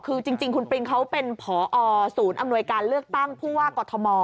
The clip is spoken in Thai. คือจริงคุณปริงเขาเป็นผอศูนย์อำนวยการเลือกตั้งผู้ว่ากอทม